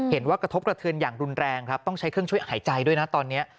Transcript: กระทบกระเทือนอย่างรุนแรงครับต้องใช้เครื่องช่วยหายใจด้วยนะตอนนี้